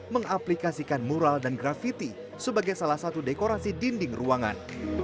mengaplikasikan mural dan grafiti sebagai salah satu dekorasi dinding ruangan